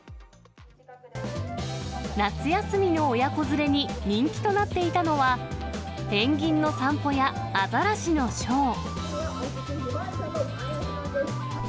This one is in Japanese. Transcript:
夏休みの親子連れに人気となっていたのは、ペンギンの散歩やアザラシのショー。